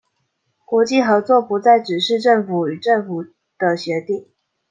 國際合作不再只是政府與政府的協定